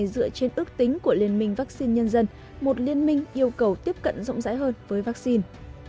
dựa trên ước tính của liên minh vaccine nhân dân một liên minh yêu cầu tiếp cận rộng rãi hơn với vaccine